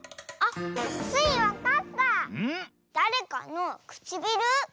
だれかのくちびる？